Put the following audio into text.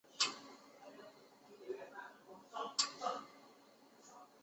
位于今克什米尔的巴基斯坦控制区北部吉尔吉特河上游山区。